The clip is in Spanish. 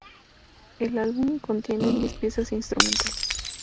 El álbum contiene diez piezas instrumentales.